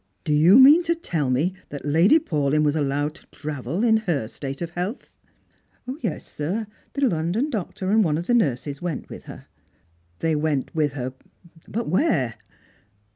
" Do you mean to tell me that Lady Paulyn was allowed to travel in her etate of health ?"•' Yes, sir. The London doctor and one of the nurses went rath, her." " They went with her, but where